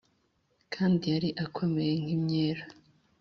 kandi yari akomeye nk’imyela